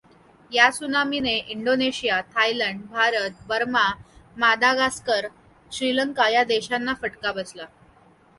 या त्सुनामीने Indonesia, Thailand, Bharat, Burma, Madagascar, Sri Lanka या देशांना फटका बसला.